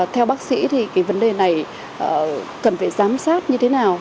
theo bác sĩ thì cái vấn đề này cần phải giám sát như thế nào